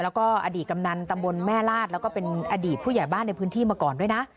แล้วก็อดีตกำนันตำบลแม่ลาดแล้วก็เป็นอดีตผู้ใหญ่บ้านในพื้นที่มาก่อนด้วยนะ